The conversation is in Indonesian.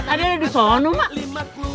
ada ada di sana mak